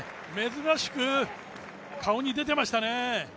珍しく顔に出ていましたよね。